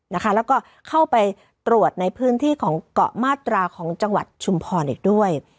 แล้วก็เข้าไปตรวจในพื้นที่ของเกาะมาตราของจังหวัดชุมพรอีกด้วย